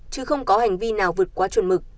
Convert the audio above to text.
chứ không có hành vi nào vượt qua chuẩn mực